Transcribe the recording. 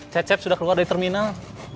cecep sudah keluar dari terminal